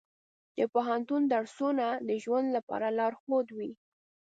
د پوهنتون درسونه د ژوند لپاره لارښود وي.